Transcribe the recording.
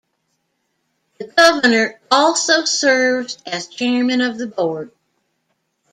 The Governor also serves as chairman of the board.